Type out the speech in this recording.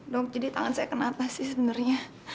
dok jadi tangan saya kena apa sih sebenarnya